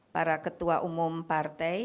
para ketua umum partai